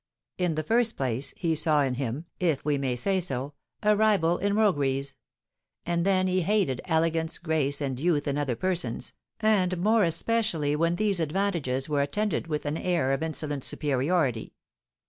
In the first place, he saw in him, if we may say so, a rival in rogueries; and then he hated elegance, grace, and youth in other persons, and more especially when these advantages were attended with an air of insolent superiority.